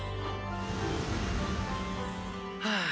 はあ